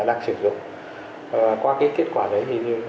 bây giờ về nước tính hưng yên